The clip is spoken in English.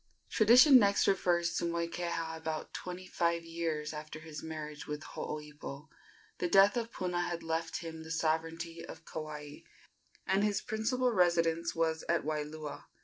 Tradition next refers to Moikeha about twenty five years after his marriage with Hooipo. The death of Puna had left him the sovereignty of Kauai, and his principal residence was at Waialua.